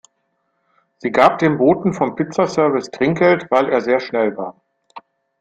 Sie gab dem Boten vom Pizza-Service Trinkgeld, weil er sehr schnell war.